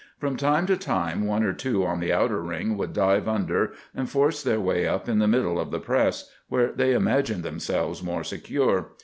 From time to time one or two on the outer ring would dive under and force their way up in the middle of the press, where they imagined themselves more secure.